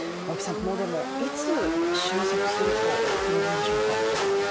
このデモ、いつ収束すると言えるんでしょうか？